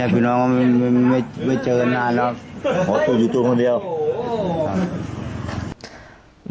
ย่าผีน้องไม่เจอกันนานแล้วอ๋ออยู่ตรงตรงทั้งเดียวครับ